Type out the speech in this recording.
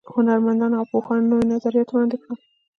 هنرمندانو او پوهانو نوي نظریات وړاندې کړل.